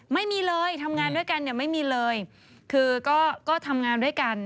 ไม่มีเลยทำงานด้วยกันเนี่ยไม่มีเลยคือก็ทำงานด้วยกัน